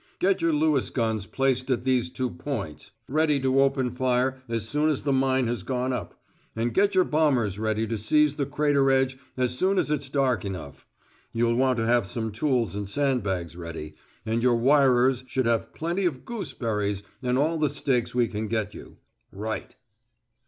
Get your Lewis guns placed at these two points (A and B), ready to open fire as soon as the mine has gone up. And get your bombers ready to seize the crater edge as soon as it's dark enough. You'll want to have some tools and sand bags ready, and your wirers should have plenty of gooseberries and all the stakes we can get you. Right."